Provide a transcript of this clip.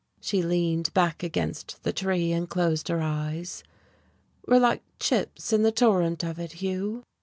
She leaned back against the tree and closed her eyes. "We're like chips in the torrent of it, Hugh."....